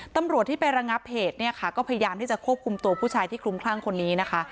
ตำรวจที่ไประงับเหตุเนี่ยค่ะก็พยายามที่จะควบคุมตัวผู้ชายที่คลุมคลั่งคนนี้นะคะ